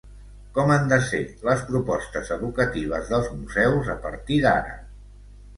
Com han de ser les propostes educatives dels museus a partir d'ara?